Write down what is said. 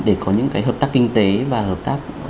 để có những cái hợp tác kinh tế và hợp tác